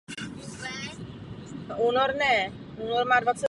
Kromě této pochvaly mám ale i některé kritické komentáře.